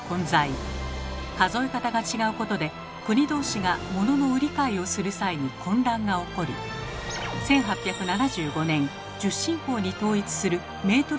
数え方が違うことで国同士がモノの売り買いをする際に混乱が起こり１８７５年１０進法に統一する「メートル条約」が結ばれました。